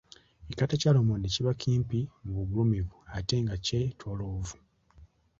Ekikata kya lumonde kiba kimpi mu bugulumivu ate nga kyetooloovu.